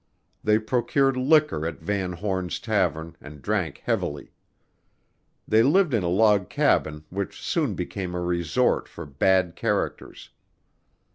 They procured liquor at Vanhorne's tavern and drank heavily. They lived in a log cabin which soon became a resort for bad characters.